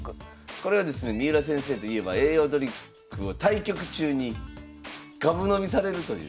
これはですね三浦先生といえば栄養ドリンクを対局中にがぶ飲みされるという。